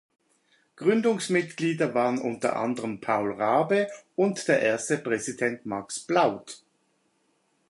Gründungsmitglieder waren unter anderen Paul Raabe und der erste Präsident Max Plaut.